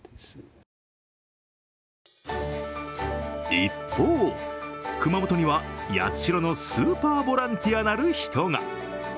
一方、熊本には八代のスーパーボランティアなる人が。